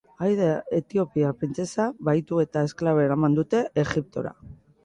Aida etiopiar printzesa bahitu eta esklabo eraman dute Egiptora.